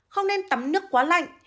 không nên tắm nước quá lạnh